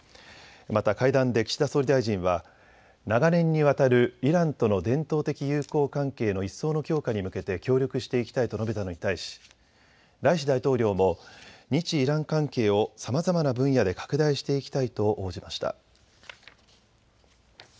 また会談で岸田総理大臣は長年にわたるイランとの伝統的友好関係の一層の強化に向けて協力していきたいと述べたのに対しライシ大統領も日イラン関係をさまざまな分野で拡大していきたいと応じました。